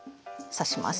刺します。